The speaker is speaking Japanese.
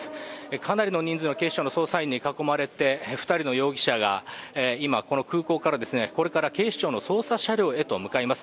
かなりの人数が警視庁の捜査員に囲まれて、２人の容疑者が今、空港から警視庁の捜査車両へと向かいます。